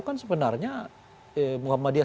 kan sebenarnya muhammadiyah